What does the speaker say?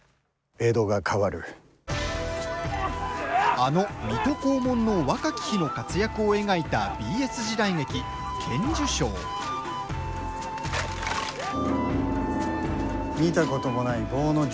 あの水戸黄門の若き日の活躍を描いたＢＳ時代劇「剣樹抄」。